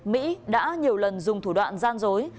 mỹ đã nhiều lần dùng thủ đoạn gian dối